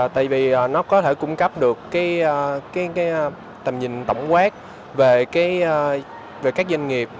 tại vì nó có thể cung cấp được tầm nhìn tổng quát về các doanh nghiệp